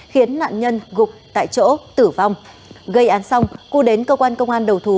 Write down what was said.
khiến nạn nhân gục tại chỗ tử vong gây án xong cư đến cơ quan công an đầu thú